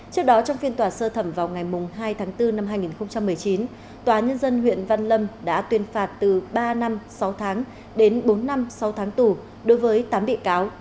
trước đó trong phiên tòa sơ thẩm vào ngày hai tháng bốn năm hai nghìn một mươi chín tòa nhân dân huyện văn lâm đã tuyên phạt từ ba năm sáu tháng đến bốn năm sáu tháng tù đối với tám bị cáo